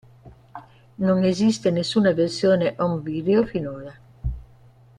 Non esiste nessuna versione home video finora.